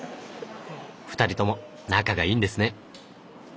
２人とも仲がいいんですね。